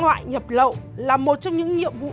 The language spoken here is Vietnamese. ngoại nhập lậu là một trong những nhiệm vụ